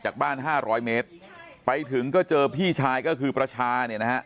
จากบ้าน๕๐๐เมตรไปถึงก็เจอพี่ชายก็คือพระชา